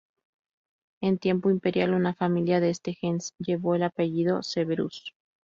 En tiempo imperial, una familia de este gens llevó el apellido "Severus".